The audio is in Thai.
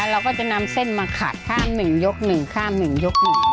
เราก็จะนำเส้นมาขัดข้ามหนึ่งยกหนึ่งข้ามหนึ่งยกหนึ่ง